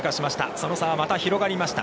その差はまた広がりました。